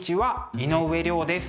井上涼です。